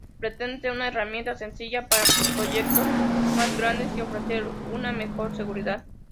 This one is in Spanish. Pretende ser una herramienta sencilla para proyectos más grandes y ofrecer una mejor seguridad.